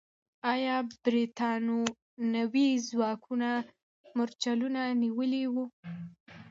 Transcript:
آیا برتانوي ځواکونو مرچلونه نیولي وو؟